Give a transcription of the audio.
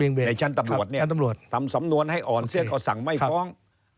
ในชั้นตำรวจเนี่ยทำสำนวนให้อ่อนเสียก็สั่งไม่ฟ้อง